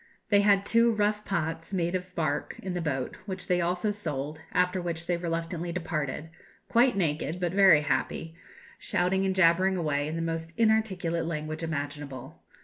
They had two rough pots, made of bark, in the boat, which they also sold, after which they reluctantly departed, quite naked but very happy, shouting and jabbering away in the most inarticulate language imaginable.